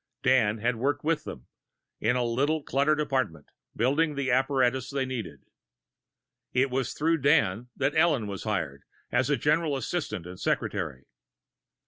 Dan had worked with them, in the little cluttered apartment, building the apparatus they needed. It was through Dan that Ellen was hired, as a general assistant and secretary.